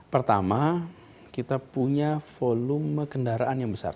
pertama kita punya volume kendaraan yang besar